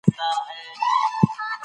ډاکټر زیار ویل چي څېړنه مختلف ډولونه لري.